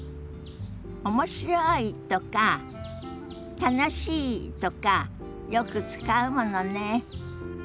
「面白い」とか「楽しい」とかよく使うものね。